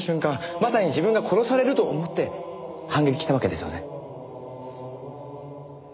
まさに自分が殺されると思って反撃したわけですよね？